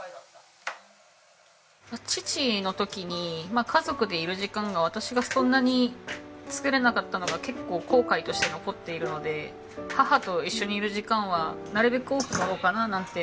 父の時に家族でいる時間が私がそんなに作れなかったのが結構後悔として残っているので母と一緒にいる時間はなるべく多く取ろうかななんて。